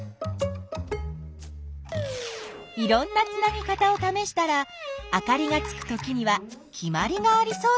いろんなつなぎ方をためしたらあかりがつくときには「きまり」がありそうだった。